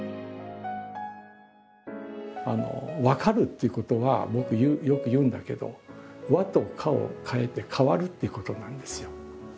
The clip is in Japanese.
「わかる」っていうことは僕よく言うんだけど「わ」と「か」をかえて「かわる」っていうことなんですよ。